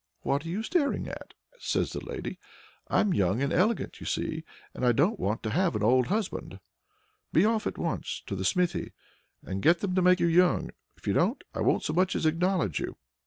"What are you staring at?" says the lady. "I'm young and elegant, you see, and I don't want to have an old husband! Be off at once to the smithy, and get them to make you young; if you don't, I won't so much as acknowledge you!"